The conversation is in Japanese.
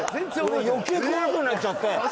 余計怖くなっちゃって。